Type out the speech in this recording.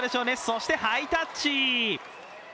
そしてハイタッチ！